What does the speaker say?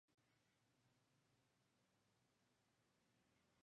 Coxon, un antiguo socio del pirata Henry Morgan, saquea los puertos de Honduras.